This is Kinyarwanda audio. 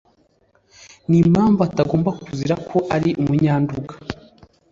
n’impamvu atagomba kuzira ko ari umunyanduga